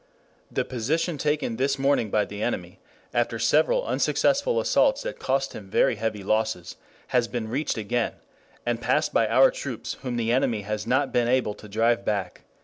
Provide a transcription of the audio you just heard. The position taken this morning by the enemy, after several unsuccessful assaults that cost him very heavy losses, has been reached again and passed by our troops whom the enemy has not been able to drive back."